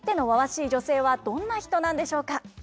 い女性はどんな人なんでしょうか？